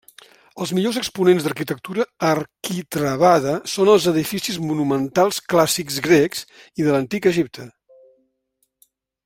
Els millors exponents d'arquitectura arquitravada són els edificis monumentals clàssics grecs i de l'antic Egipte.